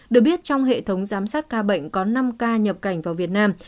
được biết trong hệ thống giám sát ca bệnh có năm ca nhập cảnh vào việt nam